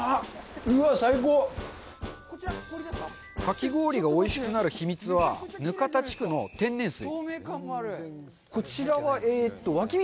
うわっ最高かき氷がおいしくなる秘密は額田地区の天然水